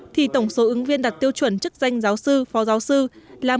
thì tổng số ứng viên đặt tiêu chuẩn chức danh giáo sư phó giáo sư là một hai trăm hai mươi sáu